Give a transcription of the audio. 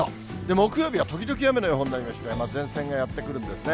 木曜日は時々雨の予報になりまして、前線がやって来るんですね。